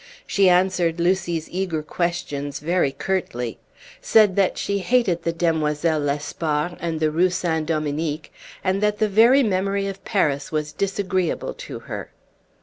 She answered Lucy's eager Page 12 questions very curtly; said that she hated the Demoiselles Lespard and the Rue Saint Dominique, and that the very memory of Paris was disagreeable to her.